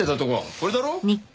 これだろ？